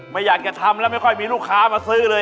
ไม่อยากจะทำแล้วไม่ค่อยมีลูกค้ามาซื้อเลย